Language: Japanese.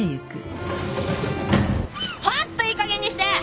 ホントいいかげんにして。